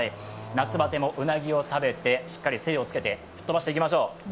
夏バテもうなぎを食べてしっかり精をつけて吹っ飛ばしていきましょう！